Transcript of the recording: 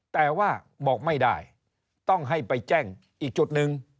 แต่ว่าบอกไม่ได้ต้องให้ไปแจ้งอีกจุดหนึ่ง